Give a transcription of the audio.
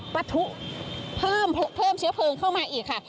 ปะทุเพิ่มเชื้อเพลิงเข้ามาอีกค่ะ